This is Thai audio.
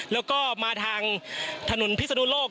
แล้วก็มาทางถนนพิศนุโลก